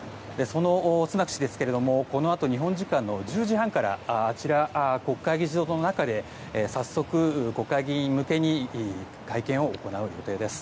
そのスナク氏ですがこのあと日本時間の１０時半から国会議事堂の中で早速、国会議員向けに会見を行う予定です。